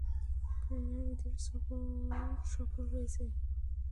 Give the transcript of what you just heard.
প্রেমের বিদেশ সফর সফল হয়েছে।